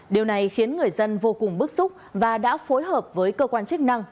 điều này khiến người dân vô cùng bức xúc và đã phối hợp với cơ quan chức năng